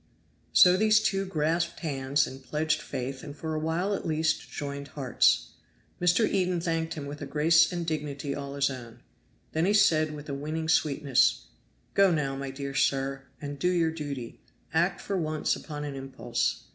So these two grasped hands and pledged faith and for a while at least joined hearts. Mr. Eden thanked him with a grace and dignity all his own. Then he said with a winning sweetness, "Go now, my dear sir, and do your duty. Act for once upon an impulse.